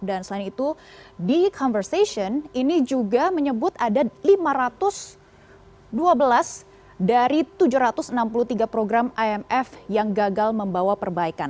dan selain itu di conversation ini juga menyebut ada lima ratus dua belas dari tujuh ratus enam puluh tiga program imf yang gagal membawa perbaikan